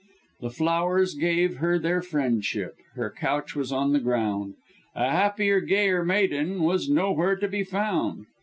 "The flowers gave her their friendship; Her couch was on the ground. A happier, gayer maiden, Was nowhere to be found.